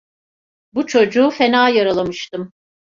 Bu çocuğu fena yaralamıştım.